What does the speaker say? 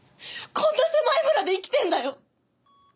こんな狭い村で生きてんだよ！？